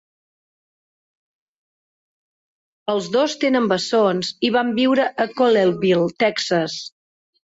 Els dos tenen bessons i van viure a Colleyville, Texas.